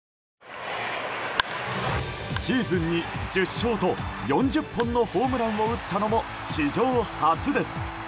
シーズンに１０勝と４０本のホームランを打ったのも史上初です。